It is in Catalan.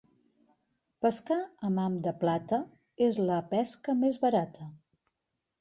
Pescar amb ham de plata és la pesca més barata.